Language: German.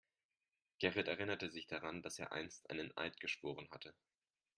Gerrit erinnerte sich daran, dass er einst einen Eid geschworen hatte.